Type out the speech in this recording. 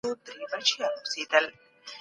سردار اکبرخان یې ساتنه وکړه